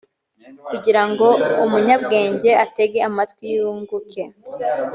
kugira ngo umunyabwenge atege amatwi yunguke